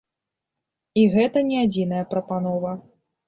І гэта не адзіная прапанова.